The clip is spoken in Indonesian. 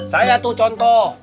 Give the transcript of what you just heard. saya tuh contoh